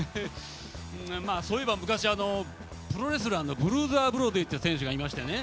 そういえば昔プロレスラーのブルーザー・ブロディって選手がいましてね